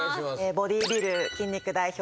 ボディビル筋肉代表